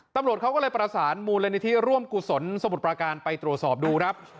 ตำรวจเขาก็เลยประสานมูลนิธิร่วมกุศลสมุทรประการไปตรวจสอบดูครับ